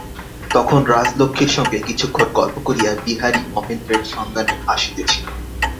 তখন রাজলক্ষ্মীর সঙ্গে কিছুক্ষণ গল্প করিয়া বিহারী মহেন্দ্রের সন্ধানে আসিতেছিল।